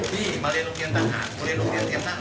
พี่มาเรียนโรงเรียนต่างหาก